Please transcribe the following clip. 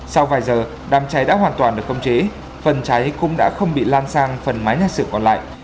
sau vài giờ đám cháy đã hoàn toàn được khống chế phần cháy cũng đã không bị lan sang phần mái nhà xưởng còn lại